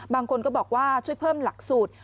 บางคนก็บอกว่าช่วยเพิ่มหลักสูตร